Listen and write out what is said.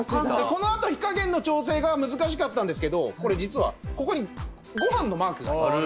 このあと火加減の調整が難しかったんですけどこれ実はここにご飯のマークがあります。